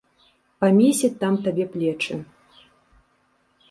Памесяць там табе плечы.